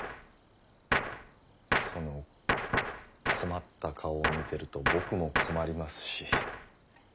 その困った顔を見てると僕も困りますし。